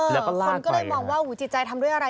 แล้วก็ลากไปคนก็เลยมองว่าหูจิตใจทำด้วยอะไร